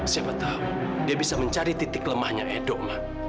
siapa tahu dia bisa mencari titik lemahnya edo ma